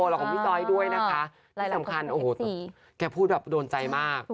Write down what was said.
แล้วก็ของพี่จ้อยด้วยนะคะที่สำคัญโอ้โหแกพูดแบบโดนใจมาก